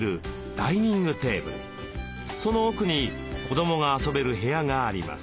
その奥に子どもが遊べる部屋があります。